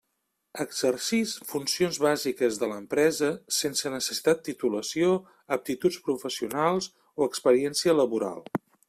Exercix funcions bàsiques de l'empresa sense necessitat titulació, aptituds professionals o experiència laboral.